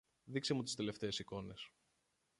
Δείξε μου τις τελευταίες εικόνες.